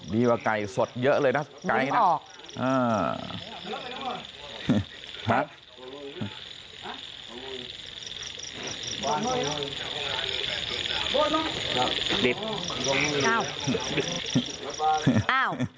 กว่าไก่สดเยอะเลยนะไก่นะ